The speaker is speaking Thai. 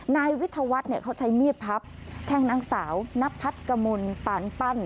นายวิทยาวัฒน์เขาใช้มีดพับแทงนางสาวนพัฒน์กมลปานปั้น